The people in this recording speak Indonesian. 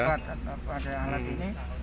lebih cepat pakai alat ini